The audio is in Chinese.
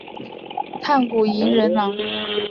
炭谷银仁朗。